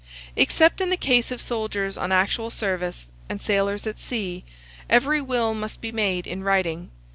Except in the case of soldiers on actual service, and sailors at sea, every will must be made in writing.